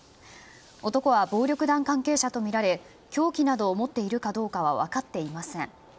男は、暴力団関係者とみられ凶器などを持っているかどうかは分かっていません。